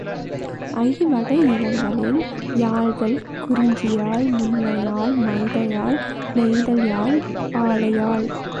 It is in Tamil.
ஐவகை நிலங்களின் யாழ்கள்: குறிஞ்சியாழ், முல்லையாழ், மருதயாழ், நெய்தல்யாழ், பாலையாழ்.